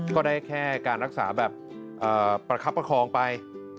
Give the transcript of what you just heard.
ก็ได้แค่การรักษาแบบประคับประคองไป